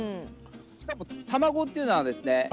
しかも卵っていうのはですね